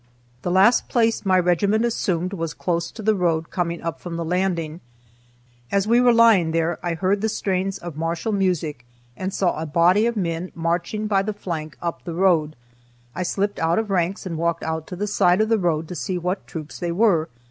The last place my regiment assumed was close to the road coming up from the landing. As we were lying there I heard the strains of martial music and saw a body of men marching by the flank up the road. I slipped out of ranks and walked out to the side of the road to see what troops they were.